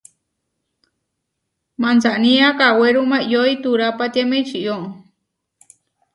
Mansanía kawéruma iʼyói turapatiáme ičió.